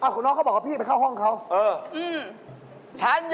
คุณน้องเขาบอกว่าพี่ไปเข้าห้องเขา